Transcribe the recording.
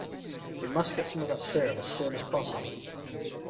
We must get some of that serum as soon as possible.